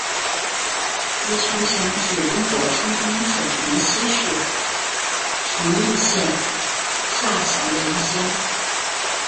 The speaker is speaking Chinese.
资邱乡是中国山东省临沂市平邑县下辖的一个乡。